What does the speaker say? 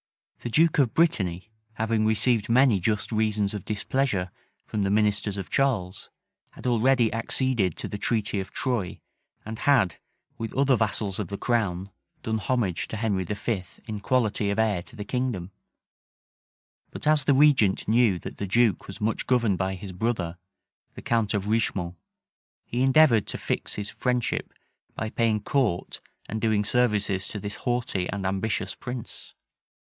The duke of Brittany, having received many just reasons of displeasure from the ministers of Charles, had already acceded to the treaty of Troye, and had, with other vassals of the crown, done homage to Henry V. in quality of heir to the kingdom: but as the regent knew that the duke was much governed by his brother, the count of Richemont, he endeavored to fix his friendship, by paying court and doing services to this haughty and ambitious prince.